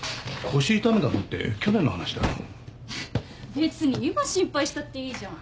別に今心配したっていいじゃん。